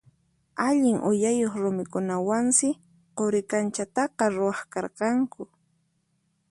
Allin uyayuq rumikunawansi Quri kanchataqa rawkharqanku.